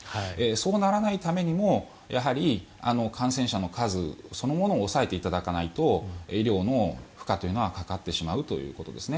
そうならないためにもやはり感染者の数そのものを抑えていただかないと医療の負荷というのはかかってしまうということです。